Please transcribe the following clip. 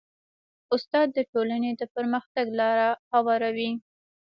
استاد د ټولنې د پرمختګ لاره هواروي.